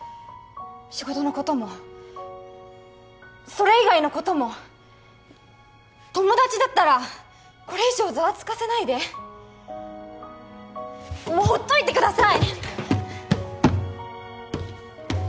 仕事のこともそれ以外のことも友達だったらこれ以上ザワつかせないでもうほっといてください！